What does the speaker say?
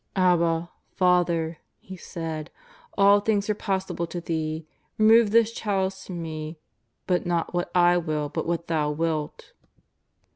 337 "Abba, Father," He said, '' all things are possible to Thee; remove this chalice from Me; but not what I will, but what Thou wilt."